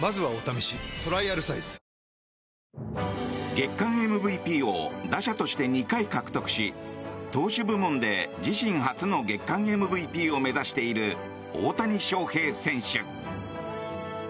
月間ＭＶＰを打者として２回獲得し投手部門で自身初の月間ＭＶＰを目指している大谷翔平選手。